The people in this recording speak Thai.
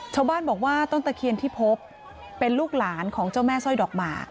ชาวบ้านบอกว่าต้นตะเคียนที่พบเป็นลูกหลานของเจ้าแม่สร้อยดอกหมาก